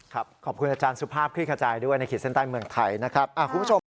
ขอบคุณอาจารย์สุภาพคลิกขจายด้วยในขีดเส้นใต้เมืองไทยนะครับคุณผู้ชม